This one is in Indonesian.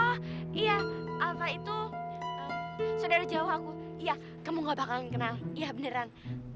oh iya alva itu saudara jauh aku iya kamu gak bakalan kenal iya beneran